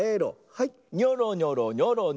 はい。